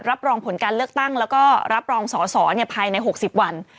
รับรองผลการเลือกตั้งแล้วก็รับรองสอสอภายใน๖๐วัน